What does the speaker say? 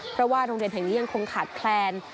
เพราะว่าโรงเรียนแห่งนี้ยังคงขาดแคลน